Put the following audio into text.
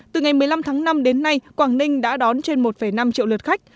từ ngày một mươi năm tháng năm đến nay quảng ninh đã đón trên một năm triệu lượt khách